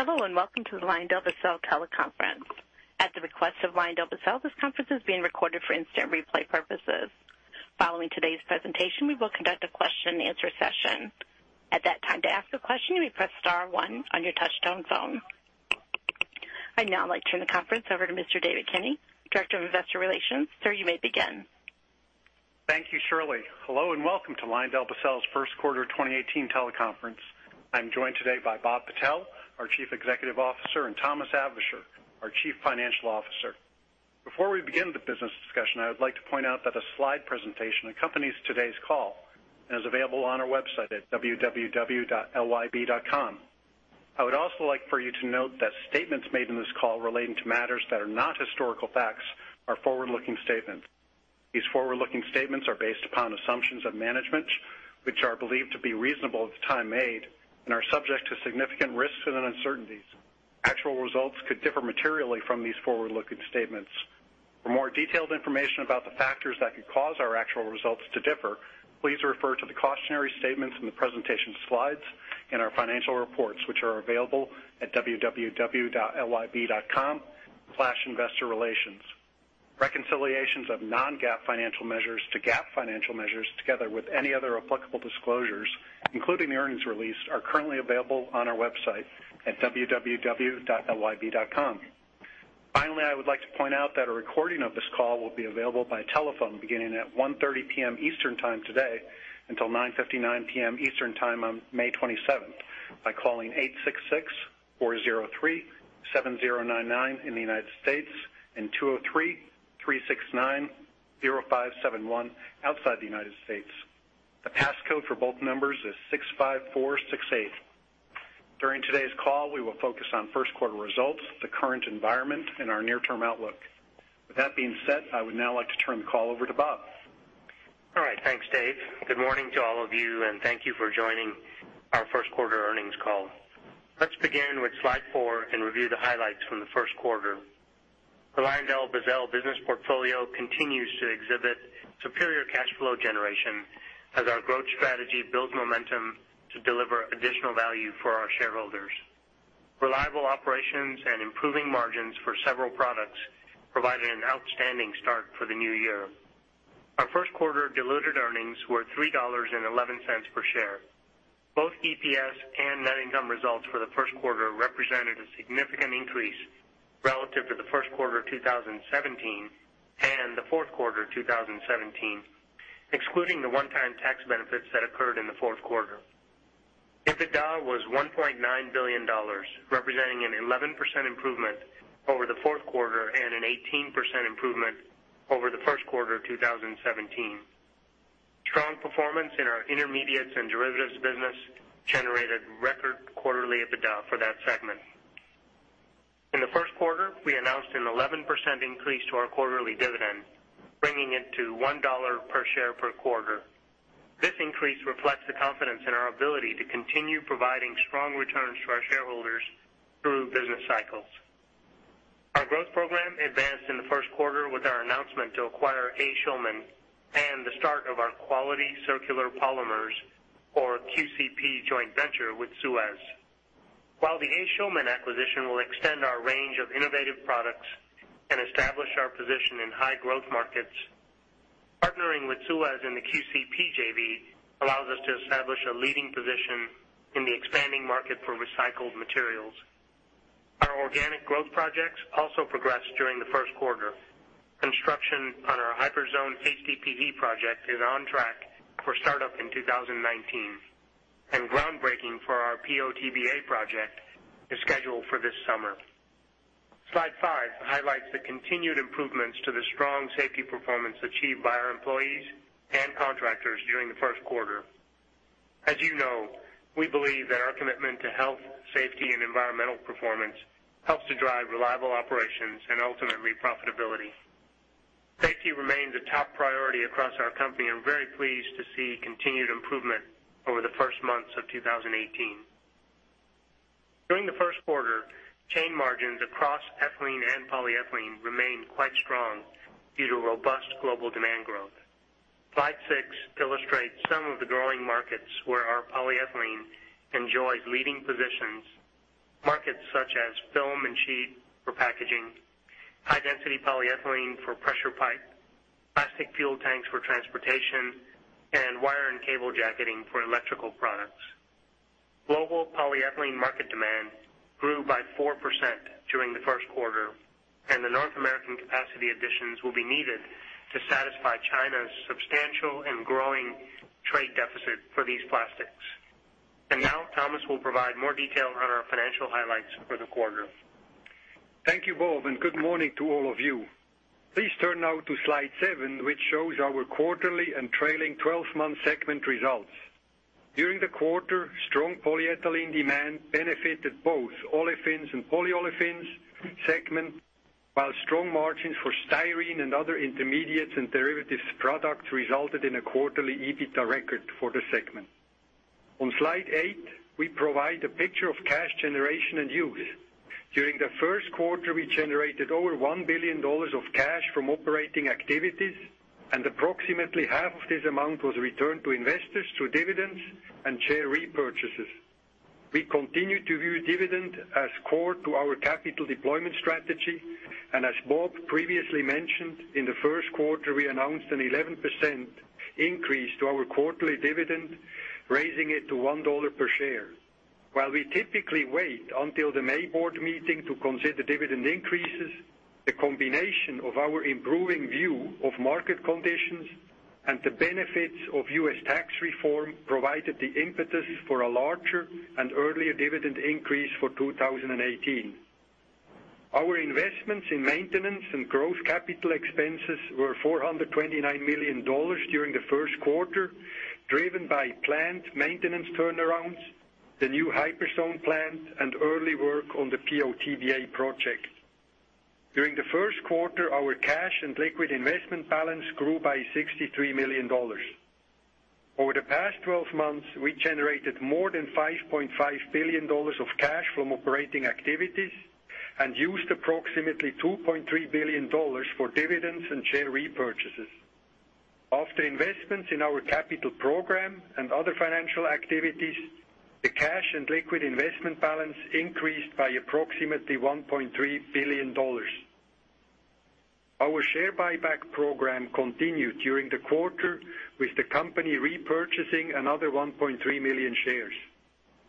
Hello, and welcome to the LyondellBasell teleconference. At the request of LyondellBasell, this conference is being recorded for instant replay purposes. Following today's presentation, we will conduct a question and answer session. At that time, to ask a question, you may press star one on your touch-tone phone. I'd now like to turn the conference over to Mr. David Kinney, Director of Investor Relations. Sir, you may begin. Thank you, Shirley. Hello, and welcome to LyondellBasell's first quarter 2018 teleconference. I'm joined today by Bob Patel, our Chief Executive Officer, and Thomas Aebischer, our Chief Financial Officer. Before we begin the business discussion, I would like to point out that a slide presentation accompanies today's call and is available on our website at www.lyb.com. I would also like for you to note that statements made in this call relating to matters that are not historical facts are forward-looking statements. These forward-looking statements are based upon assumptions of management, which are believed to be reasonable at the time made, and are subject to significant risks and uncertainties. Actual results could differ materially from these forward-looking statements. For more detailed information about the factors that could cause our actual results to differ, please refer to the cautionary statements in the presentation slides and our financial reports, which are available at www.lyb.com/investorrelations. Reconciliations of non-GAAP financial measures to GAAP financial measures, together with any other applicable disclosures, including the earnings release, are currently available on our website at www.lyb.com. I would like to point out that a recording of this call will be available by telephone beginning at 1:30 P.M. Eastern Time today until 9:59 P.M. Eastern Time on May 27th by calling 866-403-7099 in the United States and 203-369-0571 outside the United States. The passcode for both numbers is 65468. During today's call, we will focus on first quarter results, the current environment, and our near-term outlook. With that being said, I would now like to turn the call over to Bob. All right. Thanks, Dave. Good morning to all of you, and thank you for joining our first quarter earnings call. Let's begin with slide four and review the highlights from the first quarter. The LyondellBasell business portfolio continues to exhibit superior cash flow generation as our growth strategy builds momentum to deliver additional value for our shareholders. Reliable operations and improving margins for several products provided an outstanding start for the new year. Our first quarter diluted earnings were $3.11 per share. Both EPS and net income results for the first quarter represented a significant increase relative to the first quarter of 2017 and the fourth quarter of 2017, excluding the one-time tax benefits that occurred in the fourth quarter. EBITDA was $1.9 billion, representing an 11% improvement over the fourth quarter and an 18% improvement over the first quarter of 2017. Strong performance in our Intermediates and Derivatives business generated record quarterly EBITDA for that segment. In the first quarter, we announced an 11% increase to our quarterly dividend, bringing it to $1 per share per quarter. This increase reflects the confidence in our ability to continue providing strong returns to our shareholders through business cycles. Our growth program advanced in the first quarter with our announcement to acquire A. Schulman and the start of our Quality Circular Polymers, or QCP joint venture with SUEZ. While the A. Schulman acquisition will extend our range of innovative products and establish our position in high-growth markets, partnering with SUEZ in the QCP JV allows us to establish a leading position in the expanding market for recycled materials. Our organic growth projects also progressed during the first quarter. Construction on our HyperZone HDPE project is on track for startup in 2019, and groundbreaking for our PO/TBA project is scheduled for this summer. Slide five highlights the continued improvements to the strong safety performance achieved by our employees and contractors during the first quarter. As you know, we believe that our commitment to health, safety, and environmental performance helps to drive reliable operations and ultimately profitability. Safety remains a top priority across our company. I'm very pleased to see continued improvement over the first months of 2018. During the first quarter, chain margins across ethylene and polyethylene remained quite strong due to robust global demand growth. Slide six illustrates some of the growing markets where our polyethylene enjoys leading positions, markets such as film and sheet for packaging, high-density polyethylene for pressure pipe, plastic fuel tanks for transportation, and wire and cable jacketing for electrical products. Global polyethylene market demand grew by 4% during the first quarter, the North American capacity additions will be needed to satisfy China's substantial and growing trade deficit for these plastics. Now Thomas will provide more detail on our financial highlights for the quarter. Thank you, Bob, good morning to all of you. Please turn now to Slide seven, which shows our quarterly and trailing 12-month segment results. During the quarter, strong polyethylene demand benefited both Olefins and Polyolefins segment, while strong margins for styrene and other Intermediates and Derivatives products resulted in a quarterly EBITDA record for the segment. On Slide eight, we provide a picture of cash generation and use. During the first quarter, we generated over $1 billion of cash from operating activities, approximately half of this amount was returned to investors through dividends and share repurchases. We continue to view dividend as core to our capital deployment strategy, as Bob previously mentioned, in the first quarter, we announced an 11% increase to our quarterly dividend, raising it to $1 per share. While we typically wait until the May board meeting to consider dividend increases, the combination of our improving view of market conditions and the benefits of U.S. tax reform provided the impetus for a larger and earlier dividend increase for 2018. Our investments in maintenance and growth capital expenses were $429 million during the first quarter, driven by plant maintenance turnarounds, the new HyperZone plant, and early work on the PO/TBA project. During the first quarter, our cash and liquid investment balance grew by $63 million. Over the past 12 months, we generated more than $5.5 billion of cash from operating activities and used approximately $2.3 billion for dividends and share repurchases. After investments in our capital program and other financial activities, the cash and liquid investment balance increased by approximately $1.3 billion. Our share buyback program continued during the quarter, with the company repurchasing another 1.3 million shares.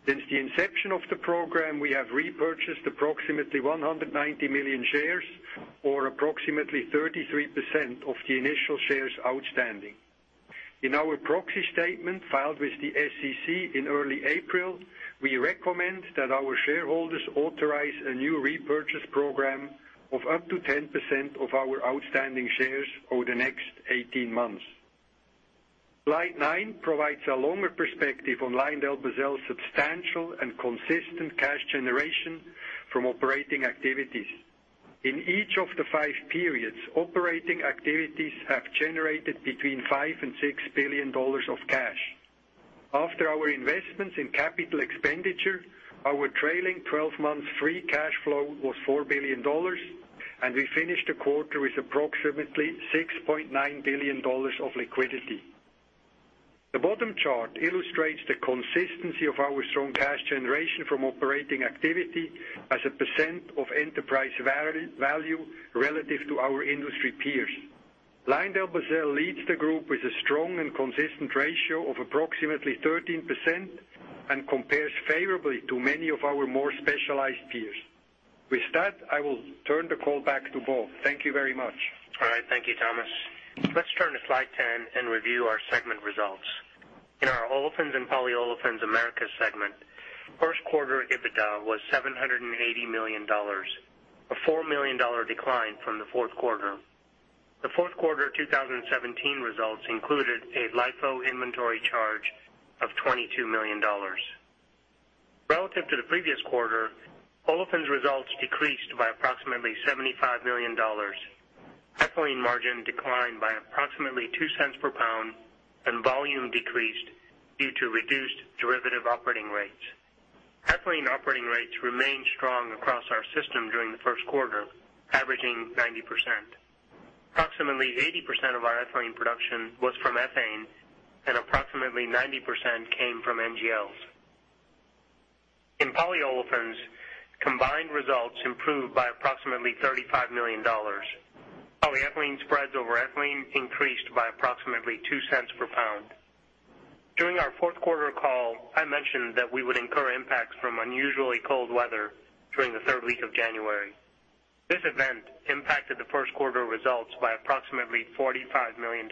Since the inception of the program, we have repurchased approximately 190 million shares or approximately 33% of the initial shares outstanding. In our proxy statement filed with the SEC in early April, we recommend that our shareholders authorize a new repurchase program of up to 10% of our outstanding shares over the next 18 months. Slide nine provides a longer perspective on LyondellBasell's substantial and consistent cash generation from operating activities. In each of the five periods, operating activities have generated between $5 billion and $6 billion of cash. After our investments in capital expenditure, our trailing 12 months free cash flow was $4 billion, and we finished the quarter with approximately $6.9 billion of liquidity. The bottom chart illustrates the consistency of our strong cash generation from operating activity as a percent of enterprise value relative to our industry peers. LyondellBasell leads the group with a strong and consistent ratio of approximately 13% and compares favorably to many of our more specialized peers. With that, I will turn the call back to Bob. Thank you very much. All right. Thank you, Thomas. Let's turn to Slide 10 and review our segment results. In our Olefins and Polyolefins–Americas segment, first quarter EBITDA was $780 million, a $4 million decline from the fourth quarter. The fourth quarter of 2017 results included a LIFO inventory charge of $22 million. Relative to the previous quarter, Olefins results decreased by approximately $75 million. Ethylene margin declined by approximately $0.02 per pound, and volume decreased due to reduced derivative operating rates. Ethylene operating rates remained strong across our system during the first quarter, averaging 90%. Approximately 80% of our ethylene production was from ethane, and approximately 90% came from NGLs. In Polyolefins, combined results improved by approximately $35 million. Polyethylene spreads over ethylene increased by approximately $0.02 per pound. During our fourth quarter call, I mentioned that we would incur impacts from unusually cold weather during the third week of January. This event impacted the first quarter results by approximately $45 million.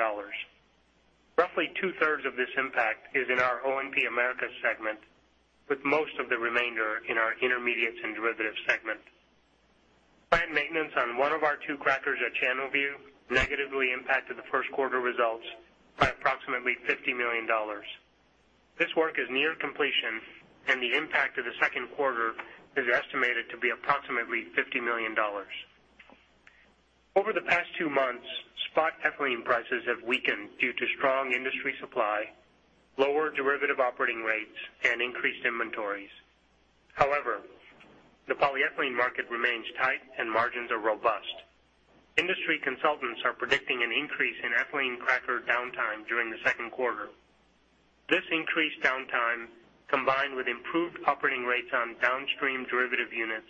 Roughly two-thirds of this impact is in our O&P Americas segment, with most of the remainder in our Intermediates and Derivatives segment. Plant maintenance on one of our two crackers at Channelview negatively impacted the first quarter results by approximately $50 million. This work is near completion, and the impact of the second quarter is estimated to be approximately $50 million. Over the past two months, spot ethylene prices have weakened due to strong industry supply, lower derivative operating rates, and increased inventories. However, the polyethylene market remains tight and margins are robust. Industry consultants are predicting an increase in ethylene cracker downtime during the second quarter. This increased downtime, combined with improved operating rates on downstream derivative units,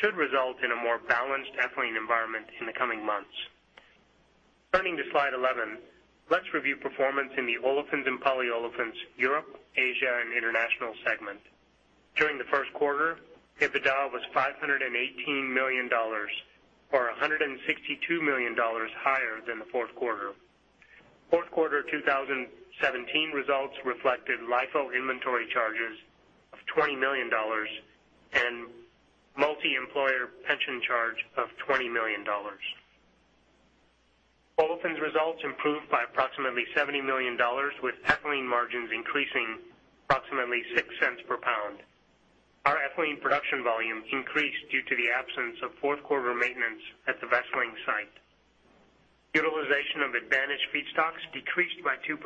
should result in a more balanced ethylene environment in the coming months. Turning to slide 11, let's review performance in the Olefins and Polyolefins–Europe, Asia, International segment. During the first quarter, EBITDA was $518 million, or $162 million higher than the fourth quarter. Fourth quarter 2017 results reflected LIFO inventory charges of $20 million and multiemployer pension charge of $20 million. Olefins results improved by approximately $70 million with ethylene margins increasing approximately $0.06 per pound. Our ethylene production volume increased due to the absence of fourth quarter maintenance at the Wesseling site. Feedstocks decreased by 2%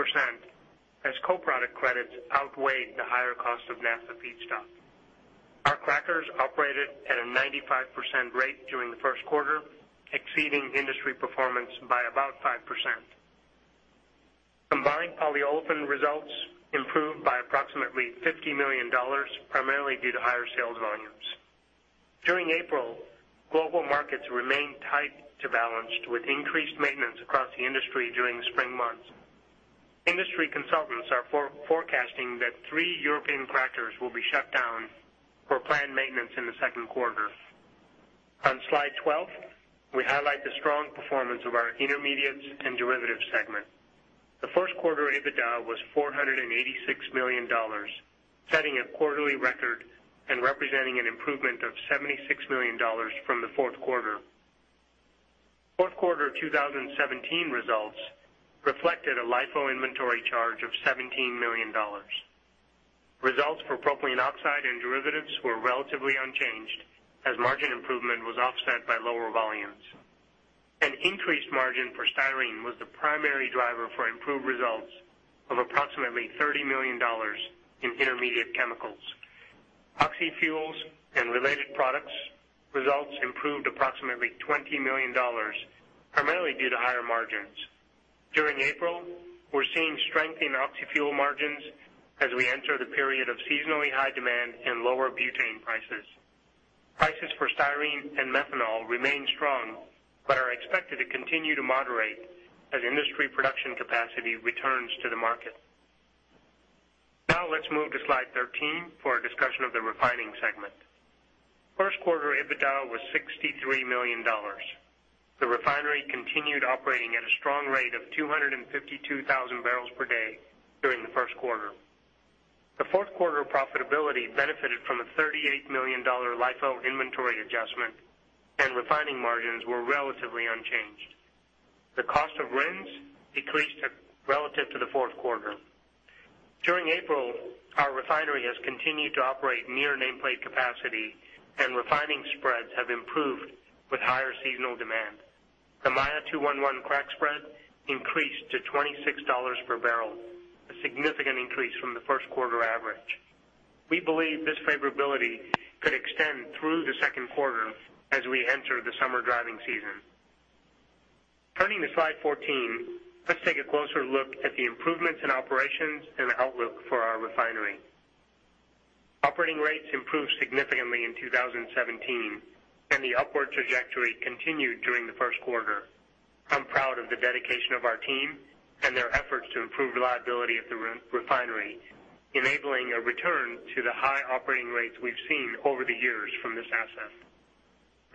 as co-product credits outweighed the higher cost of Naphtha feedstock. Our crackers operated at a 95% rate during the first quarter, exceeding industry performance by about 5%. Combined polyolefin results improved by approximately $50 million, primarily due to higher sales volumes. During April, global markets remained tight to balanced with increased maintenance across the industry during the spring months. Industry consultants are forecasting that three European crackers will be shut down for planned maintenance in the second quarter. On slide 12, we highlight the strong performance of our Intermediates and Derivatives segment. The first quarter EBITDA was $486 million, setting a quarterly record and representing an improvement of $76 million from the fourth quarter. Fourth quarter 2017 results reflected a LIFO inventory charge of $17 million. Results for propylene oxide and derivatives were relatively unchanged as margin improvement was offset by lower volumes. An increased margin for styrene was the primary driver for improved results of approximately $30 million in intermediate chemicals. Oxyfuels and related products results improved approximately $20 million, primarily due to higher margins. During April, we're seeing strength in oxyfuel margins as we enter the period of seasonally high demand and lower butane prices. Prices for styrene and methanol remain strong, but are expected to continue to moderate as industry production capacity returns to the market. Now let's move to slide 13 for a discussion of the refining segment. First quarter EBITDA was $63 million. The refinery continued operating at a strong rate of 252,000 barrels per day during the first quarter. The fourth quarter profitability benefited from a $38 million LIFO inventory adjustment, and refining margins were relatively unchanged. The cost of RINs decreased relative to the fourth quarter. During April, our refinery has continued to operate near nameplate capacity, and refining spreads have improved with higher seasonal demand. The Maya 2-1-1 crack spread increased to $26 per barrel, a significant increase from the first quarter average. We believe this favorability could extend through the second quarter as we enter the summer driving season. Turning to slide 14, let's take a closer look at the improvements in operations and outlook for our refinery. Operating rates improved significantly in 2017, and the upward trajectory continued during the first quarter. I'm proud of the dedication of our team and their efforts to improve reliability at the refinery, enabling a return to the high operating rates we've seen over the years from this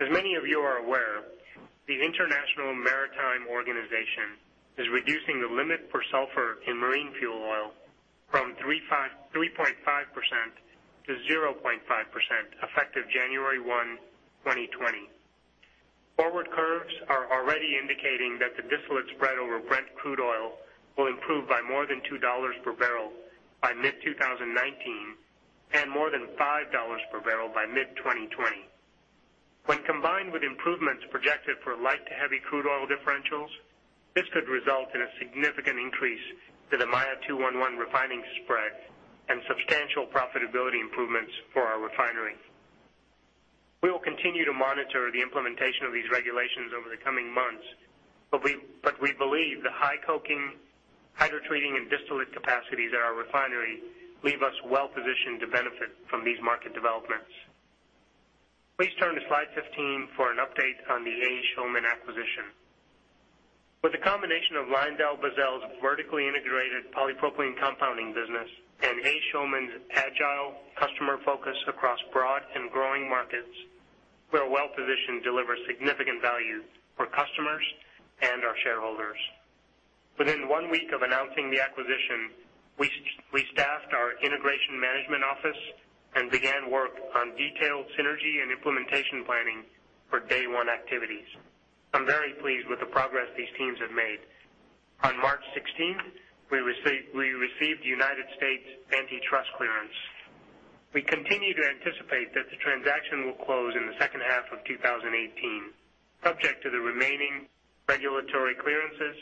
asset. As many of you are aware, the International Maritime Organization is reducing the limit for sulfur in marine fuel oil from 3.5% to 0.5%, effective January 1, 2020. Forward curves are already indicating that the distillate spread over Brent crude oil will improve by more than $2 per barrel by mid-2019 and more than $5 per barrel by mid-2020. When combined with improvements projected for light to heavy crude oil differentials, this could result in a significant increase to the Maya 2-1-1 refining spread and substantial profitability improvements for our refinery. We will continue to monitor the implementation of these regulations over the coming months, but we believe the high coking, hydrotreating, and distillate capacities at our refinery leave us well-positioned to benefit from these market developments. Please turn to slide 15 for an update on the A. Schulman acquisition. With the combination of LyondellBasell's vertically integrated polypropylene compounding business and A. Schulman's agile customer focus across broad and growing markets, we are well positioned to deliver significant value for customers and our shareholders. Within one week of announcing the acquisition, we staffed our integration management office and began work on detailed synergy and implementation planning for day one activities. I'm very pleased with the progress these teams have made. On March 16th, we received United States antitrust clearance. We continue to anticipate that the transaction will close in the second half of 2018, subject to the remaining regulatory clearances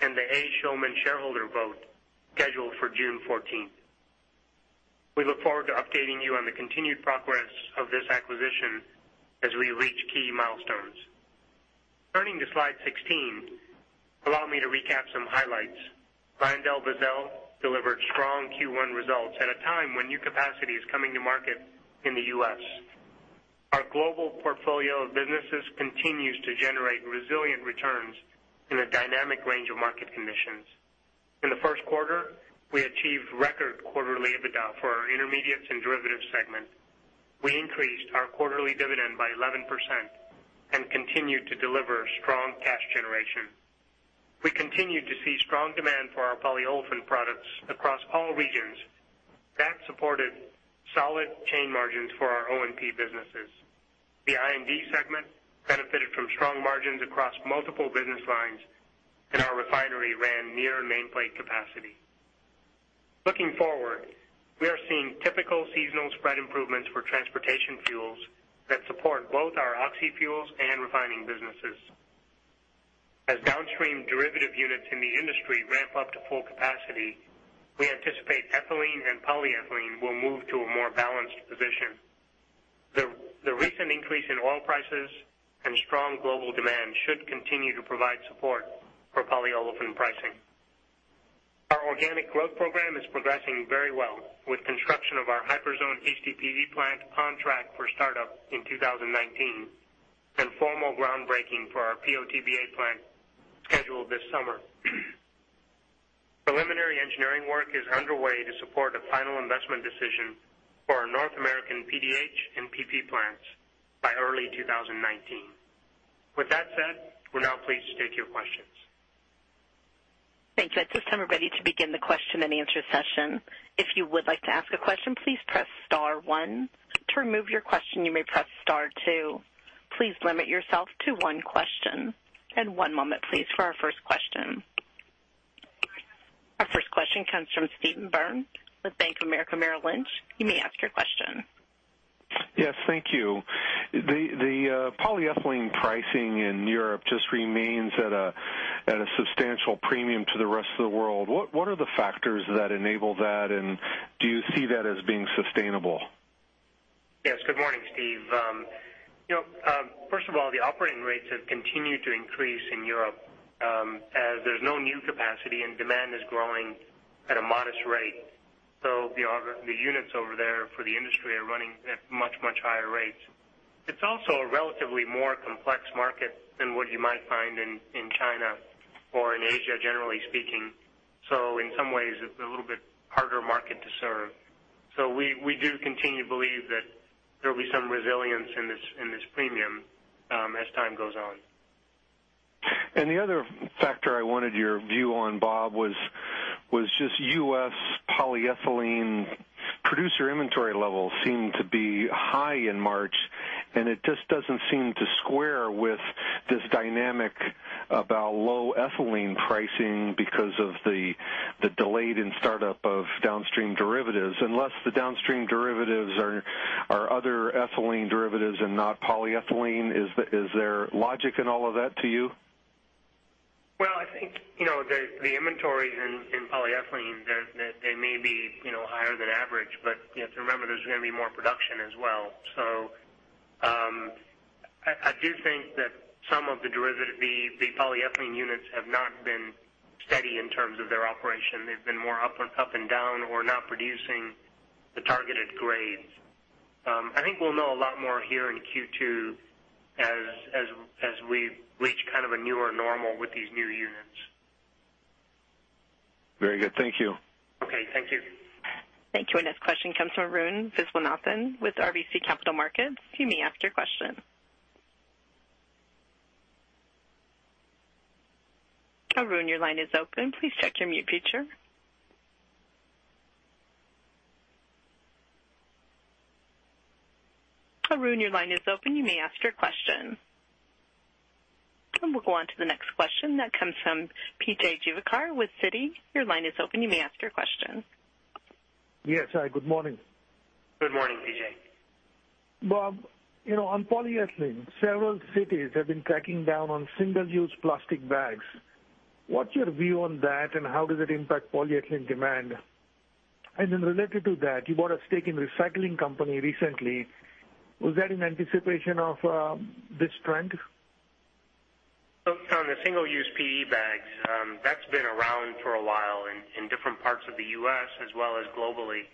and the A. Schulman shareholder vote scheduled for June 14th. We look forward to updating you on the continued progress of this acquisition as we reach key milestones. Turning to slide 16, allow me to recap some highlights. LyondellBasell delivered strong Q1 results at a time when new capacity is coming to market in the U.S. Our global portfolio of businesses continues to generate resilient returns in a dynamic range of market conditions. In the first quarter, we achieved record quarterly EBITDA for our Intermediates and Derivatives segment. We increased our quarterly dividend by 11% and continued to deliver strong cash generation. We continued to see strong demand for our polyolefin products across all regions. That supported solid chain margins for our O&P businesses. The I&D segment benefited from strong margins across multiple business lines, and our refinery ran near nameplate capacity. Looking forward, we are seeing typical seasonal spread improvements for transportation fuels that support both our oxyfuels and refining businesses. As downstream derivative units in the industry ramp up to full capacity, we anticipate ethylene and polyethylene will move to a more balanced position. The recent increase in oil prices and strong global demand should continue to provide support for polyolefin pricing. Our organic growth program is progressing very well with construction of our HyperZone HDPE plant on track for startup in 2019, and formal groundbreaking for our PO/TBA plant scheduled this summer. Preliminary engineering work is underway to support a final investment decision for our North American PDH and PP plants by early 2019. With that said, we're now pleased to take your questions. Thank you. At this time, we're ready to begin the question-and-answer session. If you would like to ask a question, please press star one. To remove your question, you may press star two. Please limit yourself to one question. One moment, please, for our first question. Our first question comes from Steve Byrne with Bank of America Merrill Lynch. You may ask your question. Yes, thank you. The polyethylene pricing in Europe just remains at a substantial premium to the rest of the world. What are the factors that enable that, and do you see that as being sustainable? Yes. Good morning, Steve. First of all, the operating rates have continued to increase in Europe as there's no new capacity, and demand is growing at a modest rate. The units over there for the industry are running at much, much higher rates. It's also a relatively more complex market than what you might find in China or in Asia, generally speaking. In some ways, it's a little bit harder market to serve. We do continue to believe that there'll be some resilience in this premium as time goes on. The other factor I wanted your view on, Bob, was just U.S. polyethylene producer inventory levels seem to be high in March, and it just doesn't seem to square with this dynamic about low ethylene pricing because of the delayed in startup of downstream derivatives, unless the downstream derivatives are other ethylene derivatives and not polyethylene. Is there logic in all of that to you? Well, I think, the inventory in polyethylene, they may be higher than average, but have to remember there's going to be more production as well. I do think that some of the derivative, the polyethylene units, have not been steady in terms of their operation. They've been more up and down or not producing the targeted grades. I think we'll know a lot more here in Q2 as we reach kind of a newer normal with these new units. Very good. Thank you. Okay. Thank you. Thank you. Our next question comes from Arun Viswanathan with RBC Capital Markets. You may ask your question. Arun, your line is open. Please check your mute feature. Arun, your line is open. You may ask your question. We'll go on to the next question that comes from P.J. Juvekar with Citi. Your line is open. You may ask your question. Yes. Hi, good morning. Good morning, P.J. Bob, on polyethylene, several cities have been cracking down on single-use plastic bags. How does it impact polyethylene demand? Then related to that, you bought a stake in recycling company recently. Was that in anticipation of this trend? On the single-use PE bags, that's been around for a while in different parts of the U.S. as well as globally.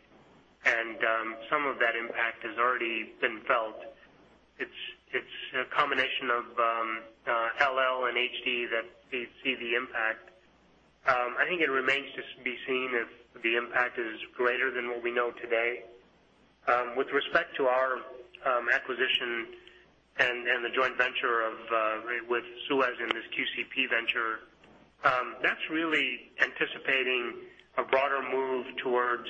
Some of that impact has already been felt. It's a combination of LL and HD that they see the impact. I think it remains to be seen if the impact is greater than what we know today. With respect to our acquisition and the joint venture with SUEZ in this QCP venture, that's really anticipating a broader move towards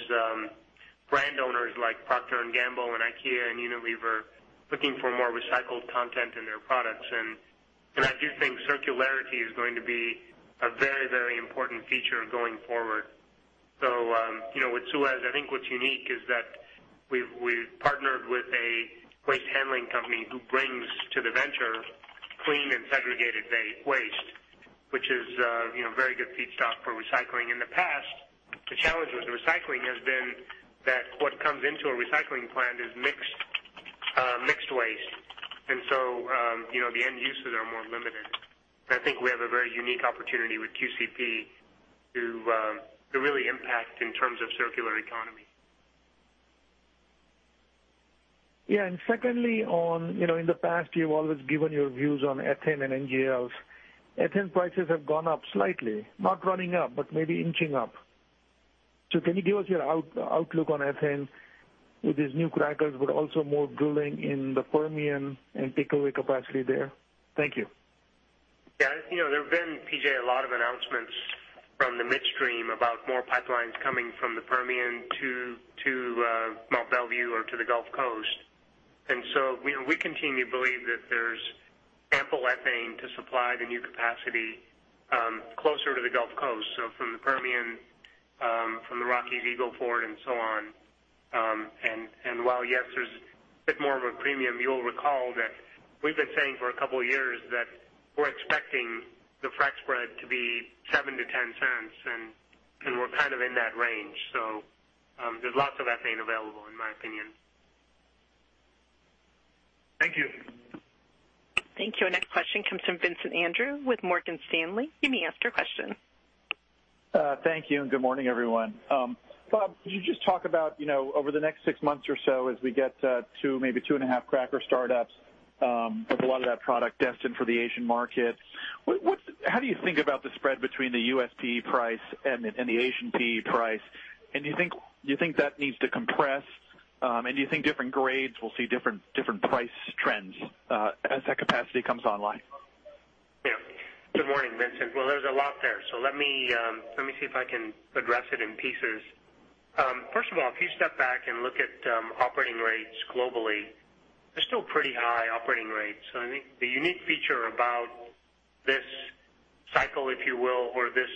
brand owners like Procter & Gamble and IKEA and Unilever looking for more recycled content in their products. I do think circularity is going to be a very, very important feature going forward. With SUEZ, I think what's unique is that we've partnered with a waste handling company who brings to the venture clean and segregated waste, which is very good feedstock for recycling. In the past, the challenge with the recycling has been that what comes into a recycling plant is mixed waste. The end uses are more limited. I think we have a very unique opportunity with QCP to really impact in terms of circular economy. In the past you've always given your views on ethane and NGLs. Ethane prices have gone up slightly, not running up, but maybe inching up. Can you give us your outlook on ethane with these new crackers, but also more drilling in the Permian and takeaway capacity there? Thank you. There have been, P.J., a lot of announcements from the midstream about more pipelines coming from the Permian to the Gulf Coast. We continue to believe that there's ample ethane to supply the new capacity closer to the Gulf Coast, from the Permian, from the Rockies, Eagle Ford, and so on. While, yes, there's a bit more of a premium, you'll recall that we've been saying for a couple of years that we're expecting the frac spread to be $0.07-$0.10, and we're kind of in that range. There's lots of ethane available, in my opinion. Thank you. Thank you. Our next question comes from Vincent Andrews with Morgan Stanley. You may ask your question. Thank you, and good morning, everyone. Bob, could you just talk about over the next six months or so as we get to maybe two and a half cracker startups, with a lot of that product destined for the Asian market. How do you think about the spread between the U.S. PE price and the Asian PE price? Do you think that needs to compress? Do you think different grades will see different price trends as that capacity comes online? Yeah. Good morning, Vincent. Well, there's a lot there, so let me see if I can address it in pieces. First of all, if you step back and look at operating rates globally, they're still pretty high operating rates. I think the unique feature about this cycle, if you will, or this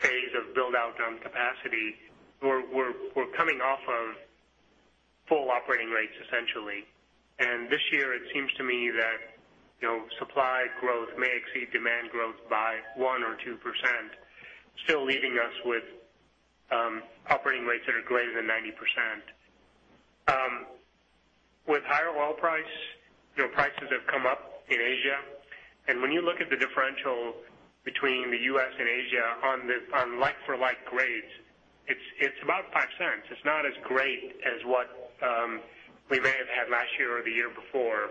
phase of build-out capacity, we're coming off of full operating rates, essentially. This year, it seems to me that supply growth may exceed demand growth by 1% or 2%, still leaving us with operating rates that are greater than 90%. With higher oil price, prices have come up in Asia, and when you look at the differential between the U.S. and Asia on like-for-like grades, it's about $0.05. It's not as great as what we may have had last year or the year before.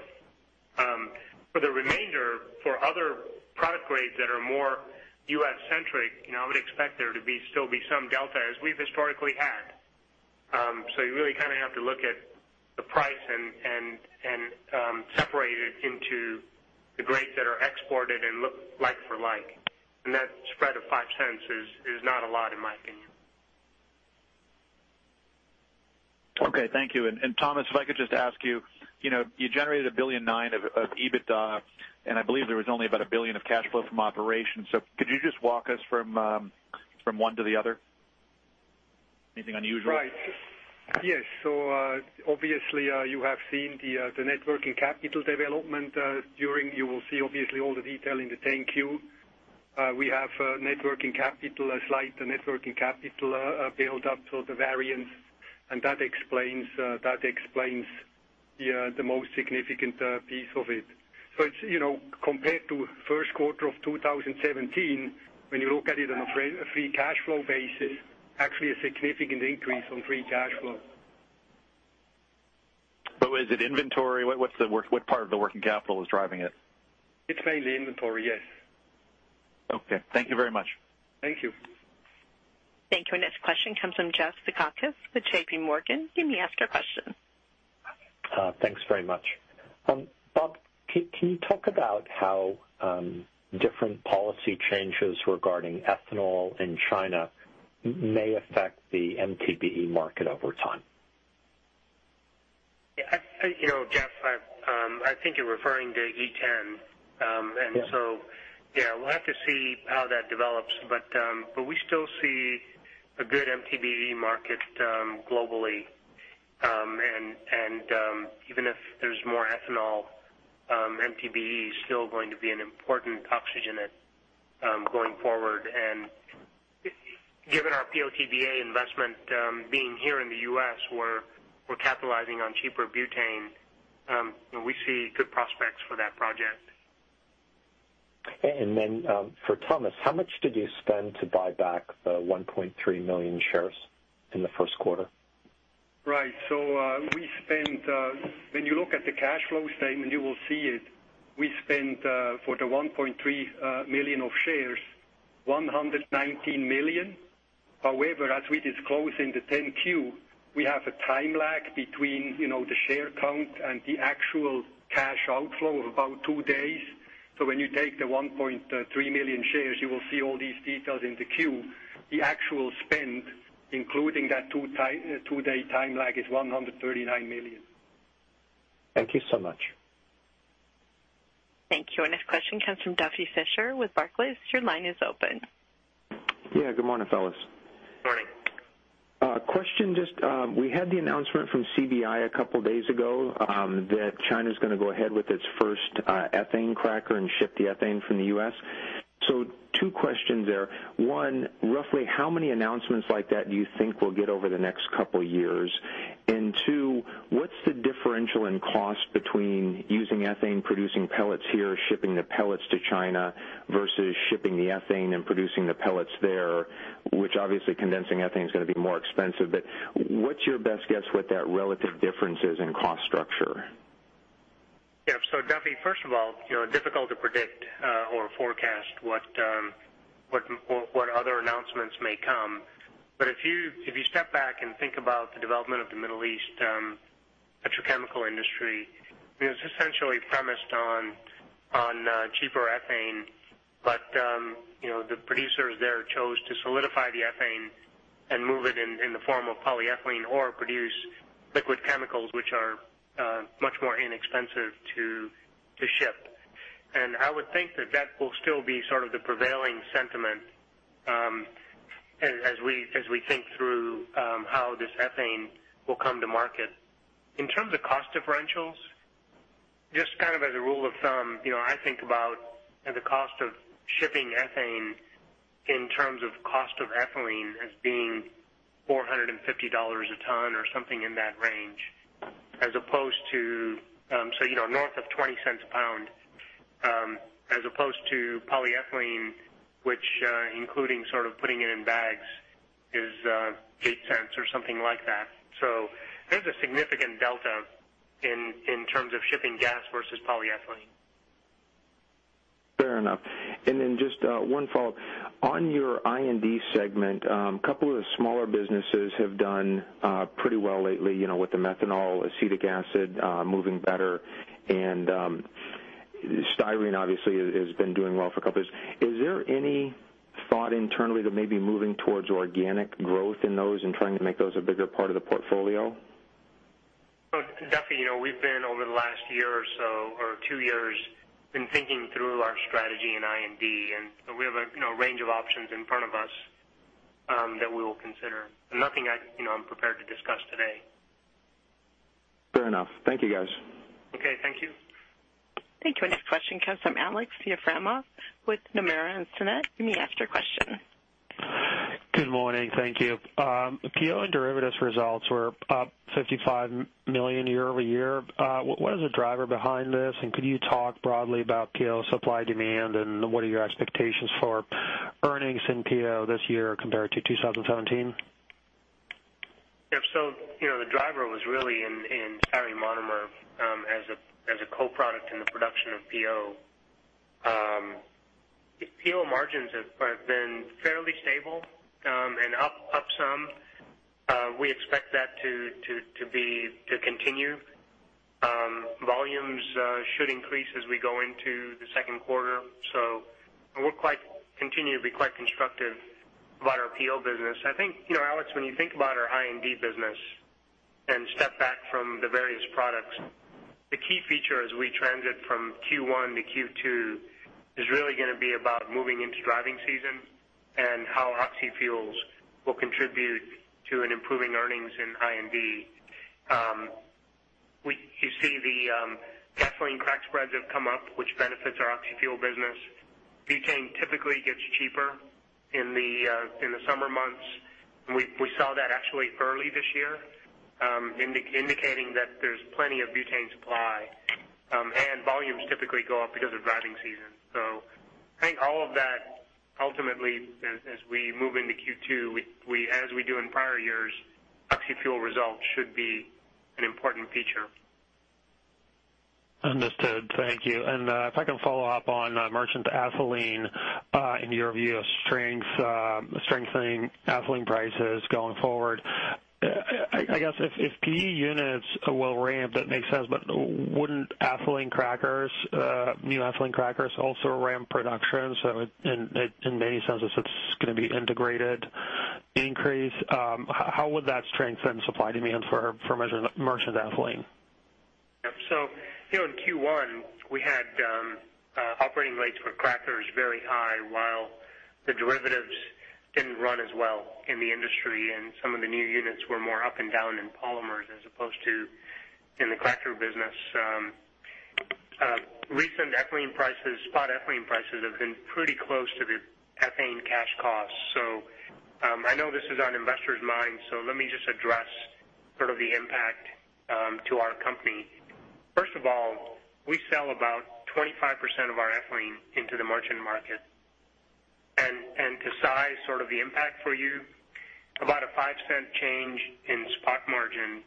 For the remainder, for other product grades that are more U.S.-centric, I would expect there to still be some delta, as we've historically had. You really kind of have to look at the price and separate it into the grades that are exported and look like for like. That spread of $0.05 is not a lot in my opinion. Okay, thank you. Thomas, if I could just ask you. You generated $1.9 billion of EBITDA, I believe there was only about $1 billion of cash flow from operations. Could you just walk us from one to the other? Anything unusual? Right. Yes. Obviously, you have seen the net working capital development. You will see obviously all the detail in the 10-Q. We have a slight net working capital build-up, so the variance, and that explains the most significant piece of it. Compared to first quarter of 2017, when you look at it on a free cash flow basis, actually a significant increase on free cash flow. Was it inventory? What part of the working capital is driving it? It's mainly inventory, yes. Okay. Thank you very much. Thank you. Thank you. Our next question comes from Jeff Zekauskas with JPMorgan. You may ask your question. Thanks very much. Bob, can you talk about how different policy changes regarding ethanol in China may affect the MTBE market over time? Yeah. Jeff, I think you're referring to E10. Yeah. Yeah, we'll have to see how that develops. We still see a good MTBE market globally. Even if there's more ethanol, MTBE is still going to be an important oxygenate going forward. Given our PO/TBA investment being here in the U.S., we're capitalizing on cheaper butane. We see good prospects for that project. For Thomas, how much did you spend to buy back 1.3 million shares in the first quarter? Right. When you look at the cash flow statement, you will see it. We spent, for the 1.3 million of shares, $119 million. However, as we disclose in the 10-Q, we have a time lag between the share count and the actual cash outflow of about two days. When you take the 1.3 million shares, you will see all these details in the Q. The actual spend, including that two-day time lag, is $139 million. Thank you so much. Thank you. Our next question comes from Duffy Fischer with Barclays. Your line is open. Yeah. Good morning, fellas. Morning. Question. Just we had the announcement from CB&I a couple of days ago that China's going to go ahead with its first ethane cracker and ship the ethane from the U.S. Two questions there. One, roughly how many announcements like that do you think we'll get over the next couple of years? Two, what's the differential in cost between using ethane producing pellets here, shipping the pellets to China versus shipping the ethane and producing the pellets there? Which obviously condensing ethane is going to be more expensive, what's your best guess what that relative difference is in cost structure? Yeah. Duffy, first of all, difficult to predict or forecast what other announcements may come. If you step back and think about the development of the Middle East petrochemical industry, it was essentially premised on cheaper ethane. The producers there chose to solidify the ethane and move it in the form of polyethylene or produce liquid chemicals, which are much more inexpensive to ship. I would think that will still be sort of the prevailing sentiment as we think through how this ethane will come to market. In terms of cost differentials, just kind of as a rule of thumb, I think about the cost of shipping ethane in terms of cost of ethylene as being $450 a ton or something in that range. North of $0.20 a pound, as opposed to polyethylene, which including sort of putting it in bags is $0.08 or something like that. There's a significant delta in terms of shipping gas versus polyethylene. Fair enough. Then just one follow-up. On your I&D segment, couple of the smaller businesses have done pretty well lately, with the methanol acetic acid moving better. Styrene obviously has been doing well for a couple years. Is there any thought internally to maybe moving towards organic growth in those and trying to make those a bigger part of the portfolio? Definitely. We've been, over the last year or so, or two years, been thinking through our strategy in I&D. We have a range of options in front of us that we will consider. Nothing I'm prepared to discuss today. Fair enough. Thank you, guys. Okay. Thank you. Thank you. Our next question comes from Aleksey Yefremov with Nomura Instinet. You may ask your question. Good morning. Thank you. PO and derivatives results were up $55 million year-over-year. What is the driver behind this, and could you talk broadly about PO supply demand and what are your expectations for earnings in PO this year compared to 2017? Yep. The driver was really in styrene monomer as a co-product in the production of PO. PO margins have been fairly stable and up some. We expect that to continue. Volumes should increase as we go into the second quarter. We'll continue to be quite constructive about our PO business. I think, Alex, when you think about our I&D business and step back from the various products, the key feature as we transit from Q1 to Q2 is really going to be about moving into driving season and how oxyfuels will contribute to an improving earnings in I&D. You see the ethylene crack spreads have come up, which benefits our oxyfuel business. Butane typically gets cheaper in the summer months, and we saw that actually early this year, indicating that there's plenty of butane supply. Volumes typically go up because of driving season. I think all of that ultimately, as we move into Q2, as we do in prior years, oxyfuel results should be an important feature. Understood. Thank you. If I can follow up on merchant ethylene, in your view, strengthening ethylene prices going forward. I guess if PE units will ramp, that makes sense, but wouldn't new ethylene crackers also ramp production? In many senses, it's going to be integrated increase. How would that strengthen supply demands for merchant ethylene? Yep. In Q1, we had operating rates for crackers very high while the derivatives didn't run as well in the industry, and some of the new units were more up and down in polymers as opposed to in the cracker business. Recent spot ethylene prices have been pretty close to the ethane cash cost. I know this is on investors' minds, let me just address sort of the impact to our company. First of all, we sell about 25% of our ethylene into the merchant market. To size sort of the impact for you, about a $0.05 change in spot margin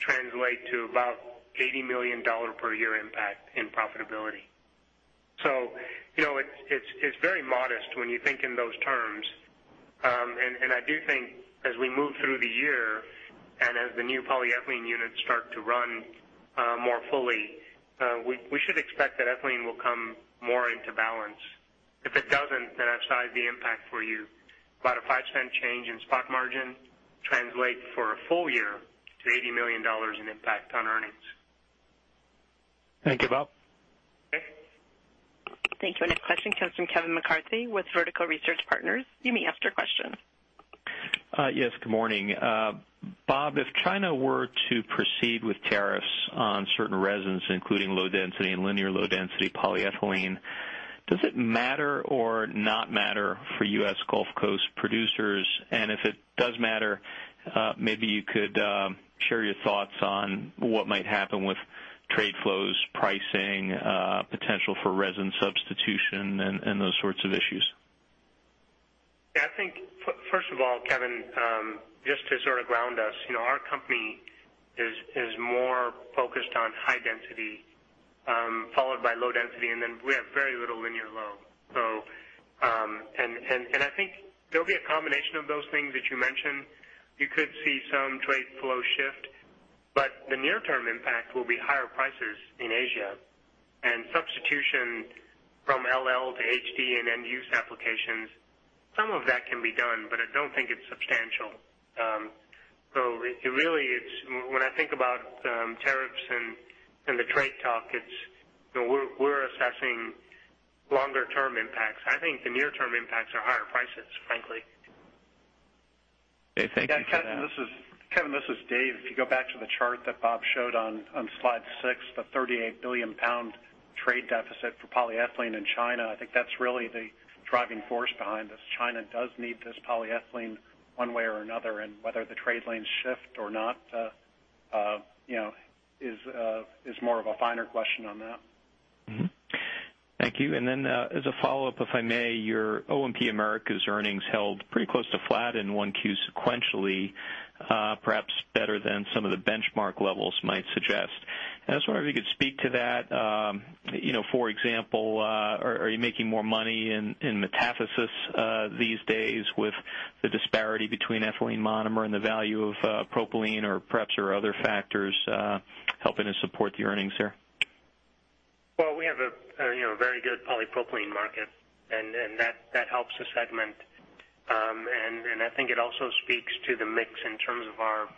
translates to about $80 million per year impact in profitability. It's very modest when you think in those terms. I do think as we move through the year and as the new polyethylene units start to run more fully, we should expect that ethylene will come more into balance. If it doesn't, I've sized the impact for you. About a $0.05 change in spot margin translates for a full year to $80 million in impact on earnings. Thank you, Bob. Okay. Thank you. Our next question comes from Kevin McCarthy with Vertical Research Partners. You may ask your question. Yes, good morning. Bob, if China were to proceed with tariffs on certain resins, including low density and linear low density polyethylene, does it matter or not matter for U.S. Gulf Coast producers? If it does matter, maybe you could share your thoughts on what might happen with trade flows, pricing, potential for resin substitution, and those sorts of issues. I think, first of all, Kevin, just to sort of ground us, our company is more focused on high density, followed by low density, and then we have very little linear low. I think there'll be a combination of those things that you mentioned. You could see some trade flow shift. The near-term impact will be higher prices in Asia and substitution from LL to HD and end-use applications. Some of that can be done, but I don't think it's substantial. Really, when I think about tariffs and the trade talk, we're assessing longer-term impacts. I think the near-term impacts are higher prices, frankly. Okay. Thank you for that. Kevin, this is Dave. If you go back to the chart that Bob showed on slide six, the 38 billion pound trade deficit for polyethylene in China, I think that's really the driving force behind this. China does need this polyethylene one way or another, whether the trade lanes shift or not is more of a finer question on that. Thank you. As a follow-up, if I may, your Olefins and Polyolefins–Americas earnings held pretty close to flat in 1Q sequentially perhaps better than some of the benchmark levels might suggest. I was wondering if you could speak to that. For example, are you making more money in metathesis these days with the disparity between ethylene monomer and the value of propylene or perhaps there are other factors helping to support the earnings there? Well, we have a very good polypropylene market, that helps the segment. I think it also speaks to the mix in terms of our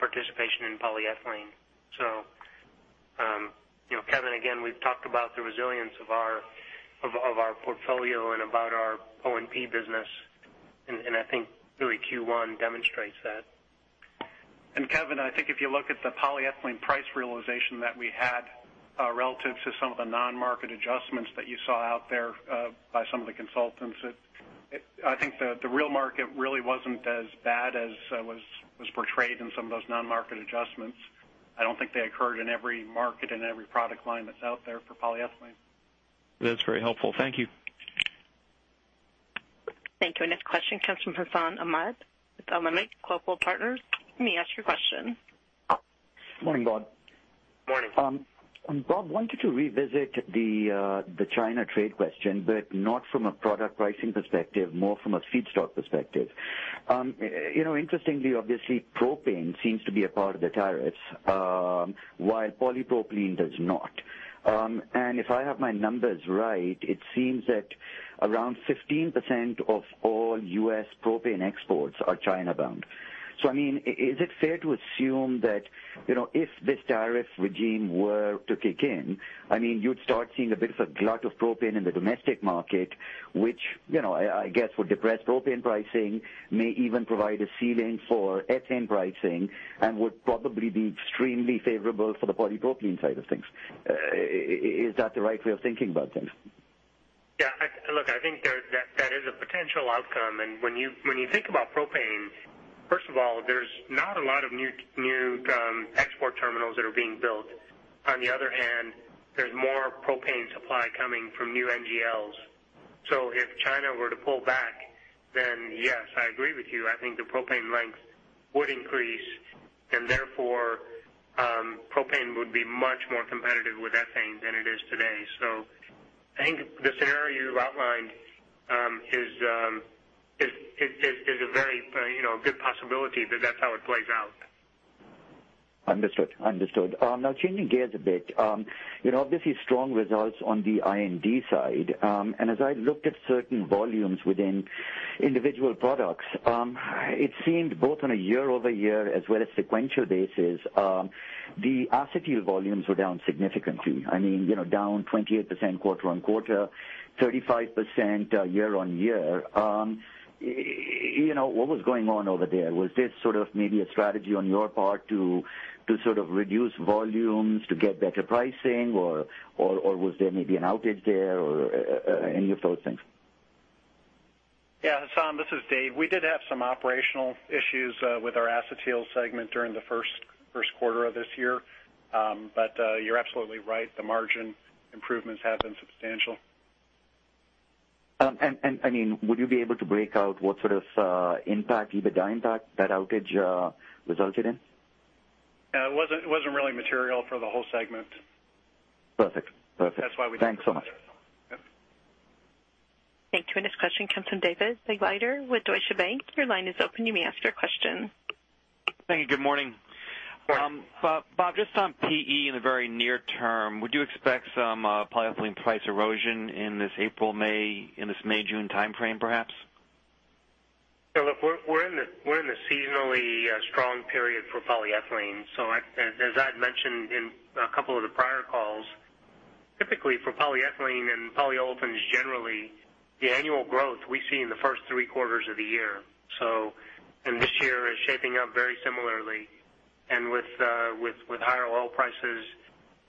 participation in polyethylene. Kevin, again, we've talked about the resilience of our portfolio and about our Olefins and Polyolefins business, I think really Q1 demonstrates that. Kevin, I think if you look at the polyethylene price realization that we had relative to some of the non-market adjustments that you saw out there by some of the consultants, I think the real market really wasn't as bad as was portrayed in some of those non-market adjustments. I don't think they occurred in every market and every product line that's out there for polyethylene. That's very helpful. Thank you. Thank you. Next question comes from Hassan Ahmed with Alembic Global Advisors. You may ask your question. Morning, Bob. Morning. Bob, wanted to revisit the China trade question, but not from a product pricing perspective, more from a feedstock perspective. Interestingly, obviously, propane seems to be a part of the tariffs while polypropylene does not. If I have my numbers right, it seems that around 15% of all U.S. propane exports are China bound. I mean, is it fair to assume that if this tariff regime were to kick in, you'd start seeing a bit of a glut of propane in the domestic market, which I guess would depress propane pricing, may even provide a ceiling for ethane pricing and would probably be extremely favorable for the polypropylene side of things. Is that the right way of thinking about things? Yeah, look, I think that is a potential outcome. When you think about propane, first of all, there's not a lot of new export terminals that are being built. On the other hand, there's more propane supply coming from new NGLs. If China were to pull back, then yes, I agree with you. I think the propane length would increase, and therefore, propane would be much more competitive with ethane than it is today. I think the scenario you've outlined is a very good possibility that that's how it plays out. Understood. Changing gears a bit. Obviously strong results on the I&D side. As I looked at certain volumes within individual products it seemed both on a year-over-year as well as sequential basis the acetyl volumes were down significantly. I mean, down 28% quarter-on-quarter, 35% year-on-year. What was going on over there? Was this sort of maybe a strategy on your part to sort of reduce volumes to get better pricing, or was there maybe an outage there or any of those things? Hassan, this is Dave. We did have some operational issues with our acetyl segment during the first quarter of this year. You're absolutely right. The margin improvements have been substantial. Would you be able to break out what sort of impact, EBITDA impact that outage resulted in? It wasn't really material for the whole segment. Perfect. That's why we didn't. Thanks so much. Yep. Thank you. Next question comes from David Begleiter with Deutsche Bank. Your line is open. You may ask your question. Thank you. Good morning. Morning. Bob, just on PE in the very near term, would you expect some polyethylene price erosion in this April/May, in this May/June timeframe perhaps? Look, we're in the seasonally strong period for polyethylene. As I'd mentioned in a couple of the prior calls, typically for polyethylene and polyolefins generally, the annual growth we see in the first three quarters of the year. This year is shaping up very similarly. With higher oil prices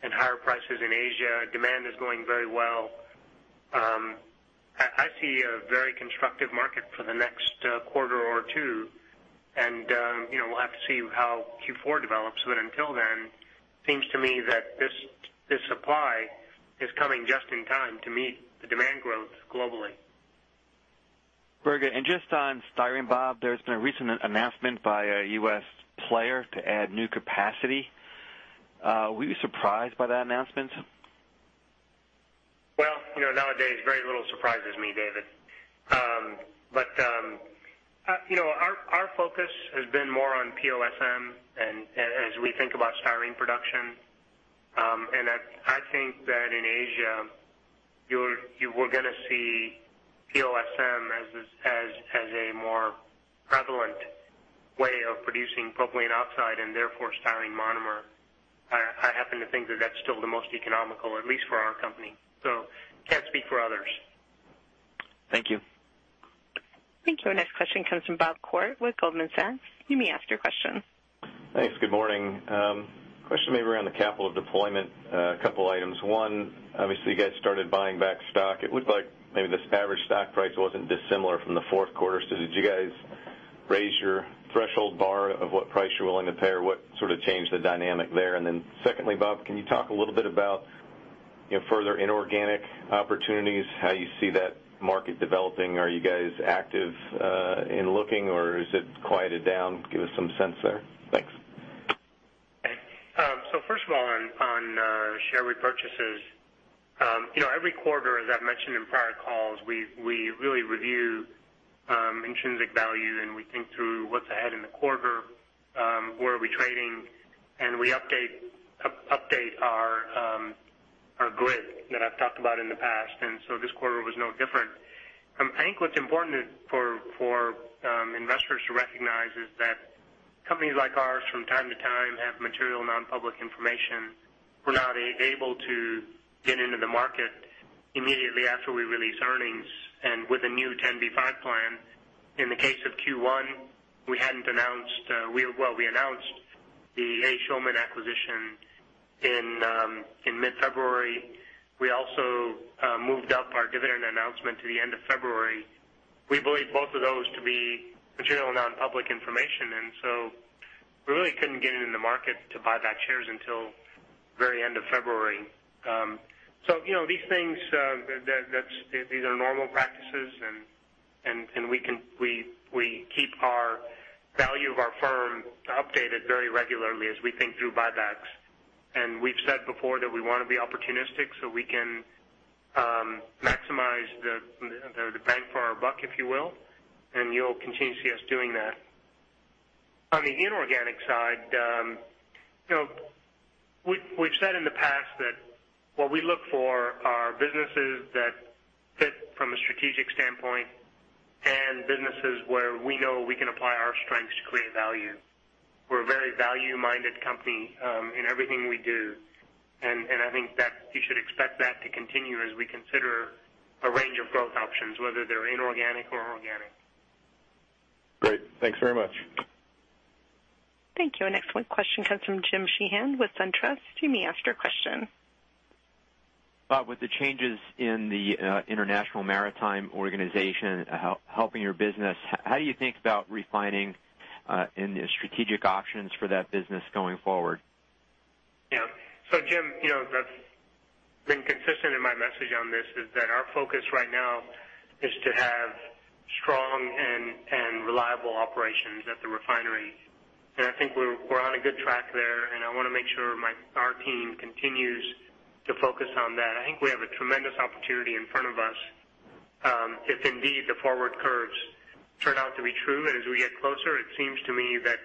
and higher prices in Asia, demand is going very well. I see a very constructive market for the next quarter or two. And we'll have to see how Q4 develops, until then, seems to me that this supply is coming just in time to meet the demand growth globally. Very good. Just on styrene, Bob, there's been a recent announcement by a U.S. player to add new capacity. Were you surprised by that announcement? Well, nowadays very little surprises me, David. Our focus has been more on POSM as we think about styrene production. I think that in Asia, you are going to see POSM as a more prevalent way of producing propylene oxide, and therefore styrene monomer. I happen to think that that's still the most economical, at least for our company. Can't speak for others. Thank you. Thank you. Our next question comes from Bob Koort with Goldman Sachs. You may ask your question. Thanks. Good morning. Question maybe around the capital deployment, a couple items. One, obviously, you guys started buying back stock. It looked like maybe this average stock price wasn't dissimilar from the fourth quarter. Did you guys raise your threshold bar of what price you're willing to pay, or what sort of changed the dynamic there? Secondly, Bob, can you talk a little bit about further inorganic opportunities, how you see that market developing? Are you guys active in looking or is it quieted down? Give us some sense there. Thanks. Okay. First of all, on share repurchases. Every quarter, as I've mentioned in prior calls, we really review intrinsic value, and we think through what's ahead in the quarter, where are we trading, and we update our grid that I've talked about in the past. This quarter was no different. I think what's important for investors to recognize is that companies like ours from time to time have material non-public information. We're not able to get into the market immediately after we release earnings. With the new 10b5-1 plan, in the case of Q1, we announced the A. Schulman acquisition in mid-February. We also moved up our dividend announcement to the end of February. We believe both of those to be material non-public information, and so we really couldn't get into the market to buy back shares until very end of February. These are normal practices, and we keep our value of our firm updated very regularly as we think through buybacks. We've said before that we want to be opportunistic so we can maximize the bang for our buck, if you will, and you'll continue to see us doing that. On the inorganic side, we've said in the past that what we look for are businesses that fit from a strategic standpoint and businesses where we know we can apply our strengths to create value. We're a very value-minded company in everything we do, and I think that you should expect that to continue as we consider a range of growth options, whether they're inorganic or organic. Great. Thanks very much. Thank you. Our next question comes from James Sheehan with SunTrust. You may ask your question. Bob, with the changes in the International Maritime Organization helping your business, how do you think about refining any strategic options for that business going forward? Yeah. Jim, that's been consistent in my message on this, is that our focus right now is to have strong and reliable operations at the refinery. I think we're on a good track there, and I want to make sure our team continues to focus on that. I think we have a tremendous opportunity in front of us. If indeed the forward curves turn out to be true, and as we get closer, it seems to me that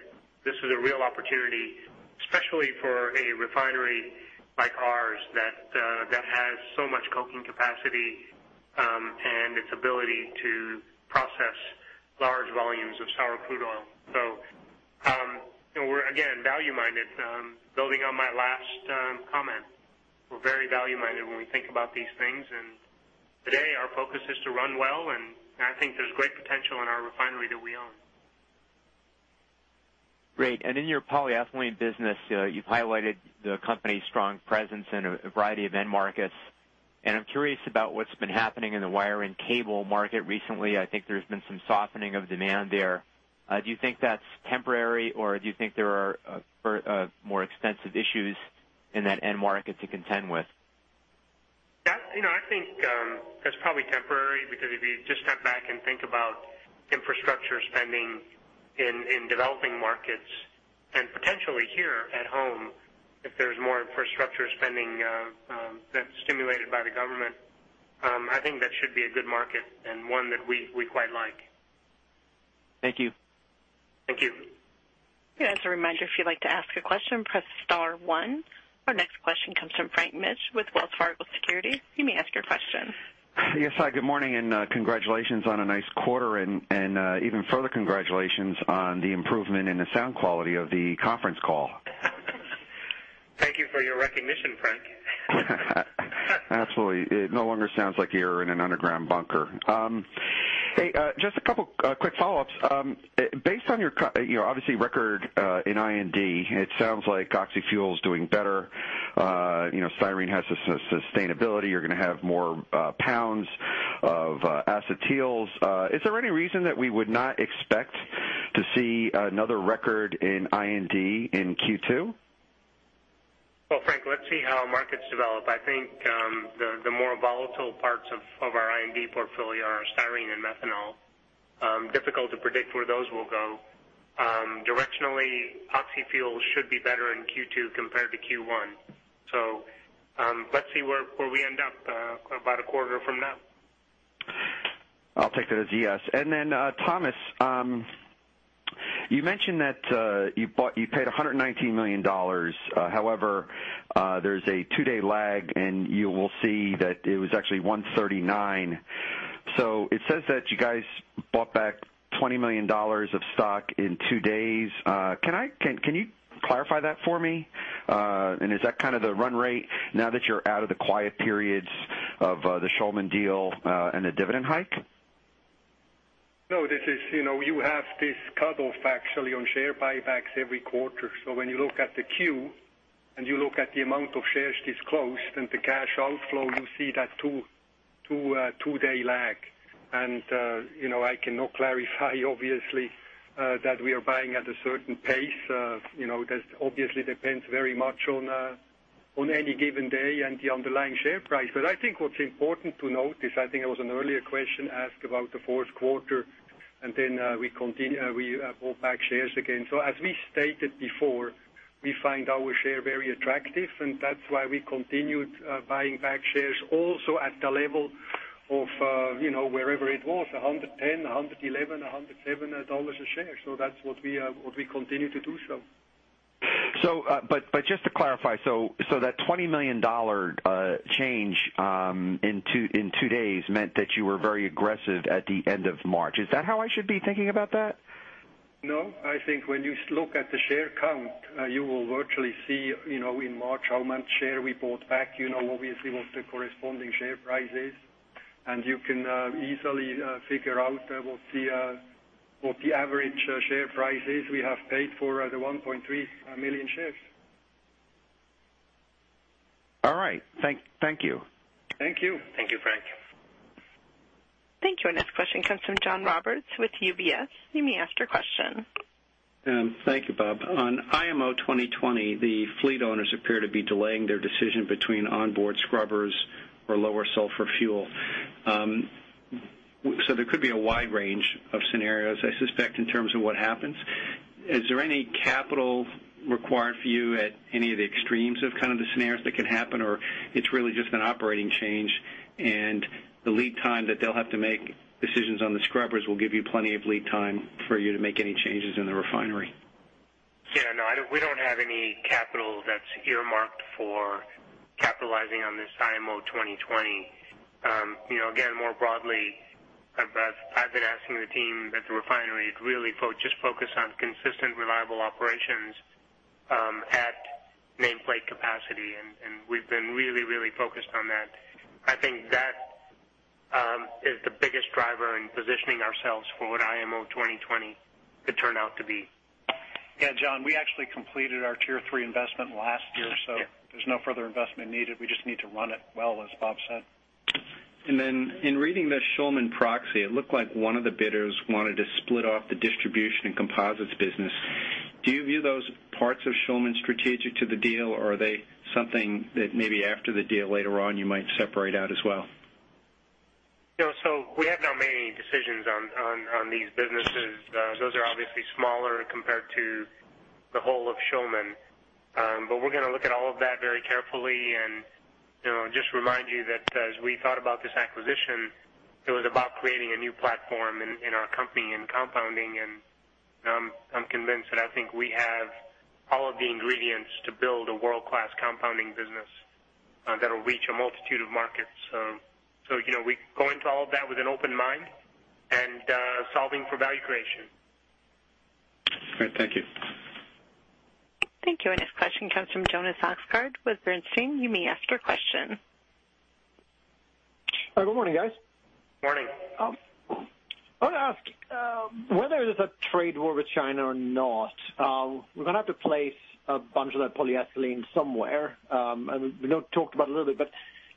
this is a real opportunity, especially for a refinery like ours that has so much coking capacity, and its ability to process large volumes of sour crude oil. We're, again, value-minded. Building on my last comment, we're very value-minded when we think about these things, and today our focus is to run well, and I think there's great potential in our refinery that we own. Great. In your polyethylene business, you've highlighted the company's strong presence in a variety of end markets, and I'm curious about what's been happening in the wire and cable market recently. I think there's been some softening of demand there. Do you think that's temporary, or do you think there are more extensive issues in that end market to contend with? I think that's probably temporary because if you just step back and think about infrastructure spending in developing markets and potentially here at home, if there's more infrastructure spending that's stimulated by the government, I think that should be a good market and one that we quite like. Thank you. Thank you. As a reminder, if you'd like to ask a question, press star one. Our next question comes from Frank Mitsch with Wells Fargo Securities. You may ask your question. Yes. Good morning. Congratulations on a nice quarter, and even further congratulations on the improvement in the sound quality of the conference call. Thank you for your recognition, Frank. Absolutely. It no longer sounds like you're in an underground bunker. Just a couple quick follow-ups. Obviously record in I&D, it sounds like Oxy fuels doing better. Styrene has a sustainability. You're going to have more pounds of acetyls. Is there any reason that we would not expect to see another record in I&D in Q2? Well, Frank, let's see how markets develop. I think the more volatile parts of our I&D portfolio are styrene and methanol. Difficult to predict where those will go. I feel should be better in Q2 compared to Q1. Let's see where we end up about a quarter from now. I'll take that as a yes. Then, Thomas, you mentioned that you paid $119 million. However, there's a two-day lag, and you will see that it was actually $139 million. It says that you guys bought back $20 million of stock in two days. Can you clarify that for me? Is that kind of the run rate now that you're out of the quiet periods of the A. Schulman deal, and the dividend hike? No, you have this cutoff actually on share buybacks every quarter. When you look at the 10-Q and you look at the amount of shares disclosed and the cash outflow, you see that two-day lag. I cannot clarify, obviously, that we are buying at a certain pace. That obviously depends very much on any given day and the underlying share price. I think what's important to note is, I think it was an earlier question asked about the fourth quarter, and then we bought back shares again. As we stated before, we find our share very attractive, and that's why we continued buying back shares also at the level of wherever it was, $110, $111, $107 a share. That's what we continue to do so. Just to clarify, that $20 million change in two days meant that you were very aggressive at the end of March. Is that how I should be thinking about that? No. I think when you look at the share count, you will virtually see, in March, how much share we bought back. Obviously, what the corresponding share price is. You can easily figure out what the average share price is we have paid for the 1.3 million shares. All right. Thank you. Thank you. Thank you, Frank. Thank you. Our next question comes from John Roberts with UBS. You may ask your question. Thank you, Bob. On IMO 2020, the fleet owners appear to be delaying their decision between onboard scrubbers or lower sulfur fuel. There could be a wide range of scenarios, I suspect, in terms of what happens. Is there any capital required for you at any of the extremes of kind of the scenarios that can happen? It's really just an operating change, and the lead time that they'll have to make decisions on the scrubbers will give you plenty of lead time for you to make any changes in the refinery? Yeah, no. We don't have any capital that's earmarked for capitalizing on this IMO 2020. Again, more broadly, I've been asking the team at the refinery to really just focus on consistent, reliable operations at nameplate capacity. We've been really, really focused on that. I think that is the biggest driver in positioning ourselves for what IMO 2020 could turn out to be. Yeah, John, we actually completed our Tier 3 investment last year, there's no further investment needed. We just need to run it well, as Bob said. In reading the Schulman proxy, it looked like one of the bidders wanted to split off the distribution and composites business. Do you view those parts of Schulman strategic to the deal, or are they something that maybe after the deal later on, you might separate out as well? We have not made any decisions on these businesses. Those are obviously smaller compared to the whole of Schulman. We're going to look at all of that very carefully and just remind you that as we thought about this acquisition, it was about creating a new platform in our company in compounding, and I'm convinced that I think we have all of the ingredients to build a world-class compounding business that'll reach a multitude of markets. We go into all of that with an open mind and solving for value creation. Great. Thank you. Thank you. Our next question comes from Jonas Oxgaard with Bernstein. You may ask your question. Good morning, guys. Morning. I want to ask, whether there's a trade war with China or not, we're going to have to place a bunch of that polyethylene somewhere. We talked about it a little bit, but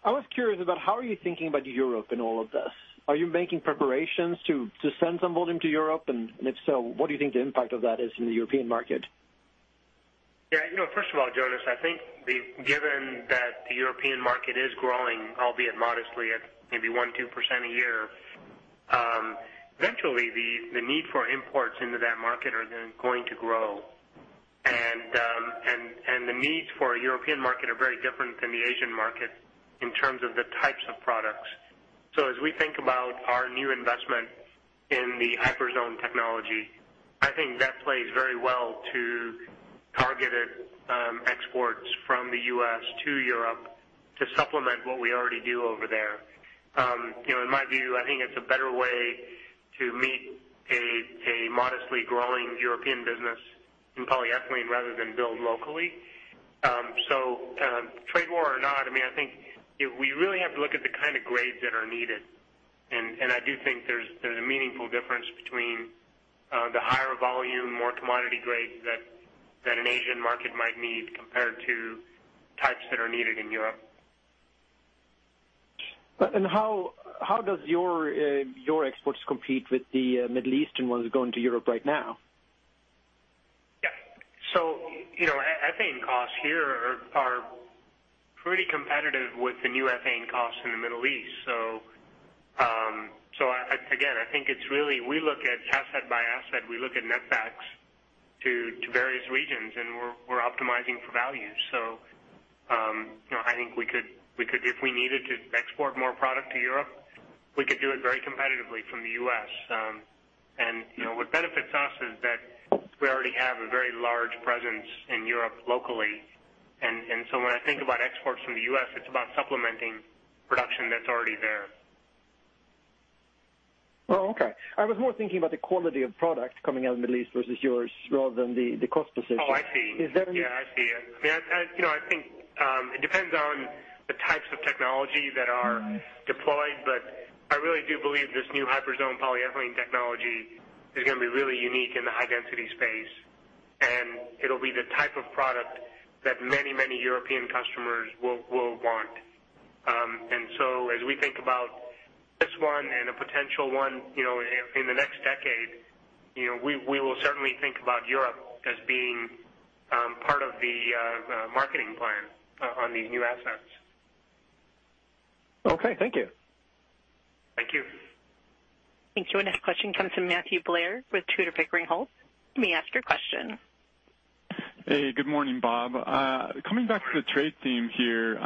I was curious about how are you thinking about Europe in all of this? Are you making preparations to send some volume to Europe? If so, what do you think the impact of that is in the European market? Yeah. First of all, Jonas, I think given that the European market is growing, albeit modestly at maybe 1%, 2% a year, eventually the need for imports into that market are then going to grow. The needs for a European market are very different than the Asian market in terms of the types of products. As we think about our new investment in the HyperZone technology, I think that plays very well to targeted exports from the U.S. to Europe to supplement what we already do over there. In my view, I think it's a better way to meet a modestly growing European business in polyethylene rather than build locally. Trade war or not, I think we really have to look at the kind of grades that are needed. I do think there's a meaningful difference between the higher volume, more commodity grades that an Asian market might need compared to types that are needed in Europe. How does your exports compete with the Middle Eastern ones going to Europe right now? Yeah. Ethane costs here are pretty competitive with the new ethane costs in the Middle East. I think it's really we look at asset by asset. We look at net backs to various regions, and we're optimizing for value. I think if we needed to export more product to Europe, we could do it very competitively from the U.S. What benefits us is that we already have a very large presence in Europe locally. When I think about exports from the U.S., it's about supplementing production that's already there. Oh, okay. I was more thinking about the quality of product coming out of the Middle East versus yours rather than the cost position. Oh, I see. Is there? Yeah, I see. I think it depends on the types of technology that are deployed, but I really do believe this new HyperZone polyethylene technology is going to be really unique in the high-density space, and it'll be the type of product that many European customers will want. As we think about this one and a potential one in the next decade, we will certainly think about Europe as being part of the marketing plan on these new assets. Okay. Thank you. Thank you. Thank you. Our next question comes from Matthew Blair with Tudor, Pickering Holt. You may ask your question. Hey, good morning, Bob. Coming back to the trade theme here.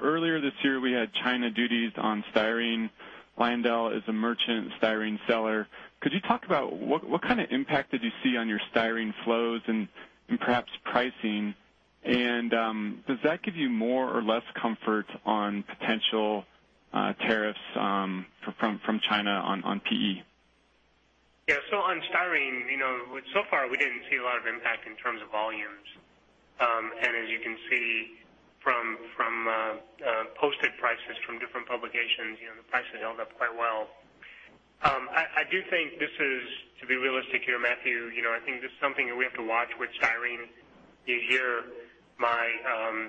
Earlier this year, we had China duties on styrene. Lyondell is a merchant styrene seller. Could you talk about what kind of impact did you see on your styrene flows and perhaps pricing? Does that give you more or less comfort on potential tariffs from China on PE? On styrene, so far we didn't see a lot of impact in terms of volumes. As you can see from posted prices from different publications, the prices held up quite well. I do think this is, to be realistic here, Matthew, I think this is something that we have to watch with styrene. You hear my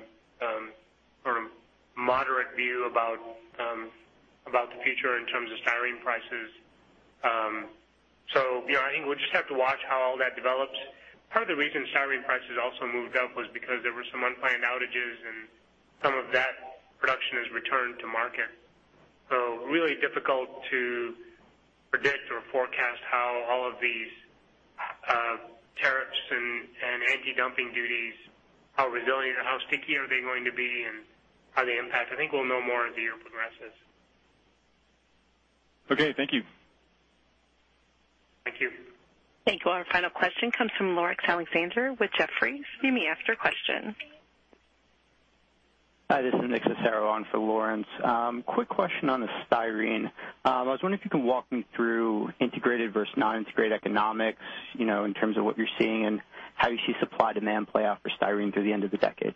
sort of moderate view about the future in terms of styrene prices. I think we'll just have to watch how all that develops. Part of the reason styrene prices also moved up was because there were some unplanned outages and some of that production has returned to market. Really difficult to predict or forecast how all of these tariffs and anti-dumping duties, how resilient or how sticky are they going to be and how they impact. I think we'll know more as the year progresses. Thank you. Thank you. Thank you. Our final question comes from Laurence Alexander with Jefferies. You may ask your question. Hi, this is Nicholas Cecero on for Laurence. Quick question on the styrene. I was wondering if you can walk me through integrated versus non-integrated economics, in terms of what you're seeing and how you see supply demand play out for styrene through the end of the decade.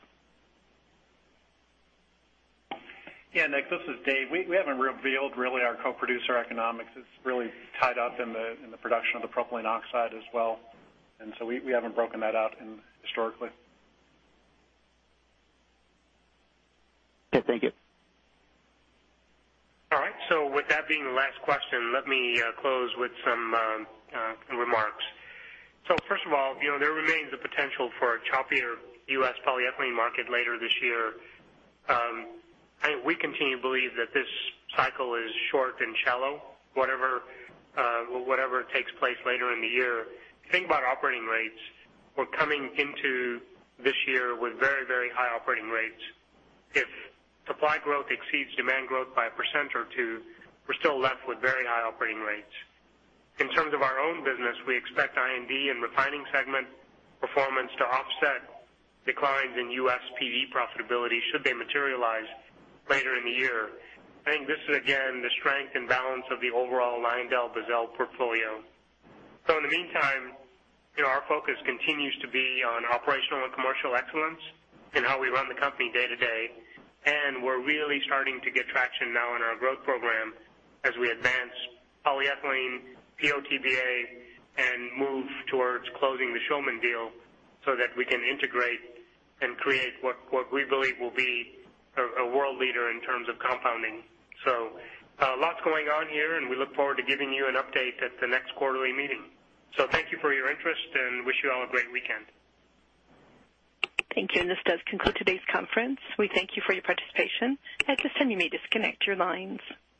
Yeah, Nick, this is Dave. We haven't revealed really our co-producer economics. It's really tied up in the production of the propylene oxide as well. So we haven't broken that out historically. Okay. Thank you. All right. With that being the last question, let me close with some remarks. First of all there remains the potential for a choppier U.S. polyethylene market later this year. We continue to believe that this cycle is short and shallow, whatever takes place later in the year. Think about operating rates. We're coming into this year with very high operating rates. If supply growth exceeds demand growth by 1% or 2%, we're still left with very high operating rates. In terms of our own business, we expect I&D and refining segment performance to offset declines in U.S. PE profitability should they materialize later in the year. I think this is, again, the strength and balance of the overall LyondellBasell portfolio. In the meantime, our focus continues to be on operational and commercial excellence in how we run the company day to day. We're really starting to get traction now in our growth program as we advance polyethylene, PO/TBA, and move towards closing the A. Schulman deal so that we can integrate and create what we believe will be a world leader in terms of compounding. Lots going on here. We look forward to giving you an update at the next quarterly meeting. Thank you for your interest, and wish you all a great weekend. Thank you. This does conclude today's conference. We thank you for your participation. At this time, you may disconnect your lines.